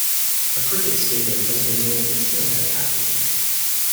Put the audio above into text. A cricket stadium has been named is Sylhet after him.